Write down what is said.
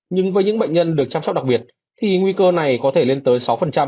nhưng với những bệnh nhân được chăm sóc đặc biệt thì nguy cơ này có thể lên tới sáu